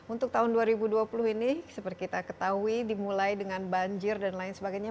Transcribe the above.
untuk tahun dua ribu dua puluh ini seperti kita ketahui dimulai dengan banjir dan lain sebagainya